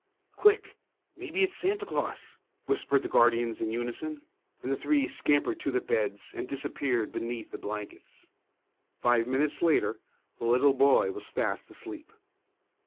"Quick! Maybe it's Santa Claus!" whispered the guardians in unison; and the three scampered to their beds and disappeared beneath the blankets. Five minutes later the little boy was fast asleep.